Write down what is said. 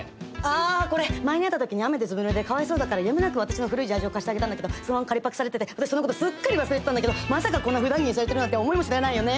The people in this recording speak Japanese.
あこれ前に会った時に雨でずぶぬれでかわいそうだからやむなく私の古いジャージを貸してあげたんだけどそのまま借りパクされてて私そのことすっかり忘れてたんだけどまさかこんなふだん着にされてるなんて思いもしないよね。